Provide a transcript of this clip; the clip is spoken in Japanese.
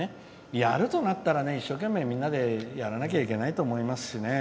やるとなったら一生懸命、みんなでやらなきゃいけないと思いますしね。